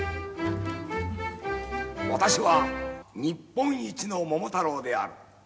私は日本一の桃太郎である。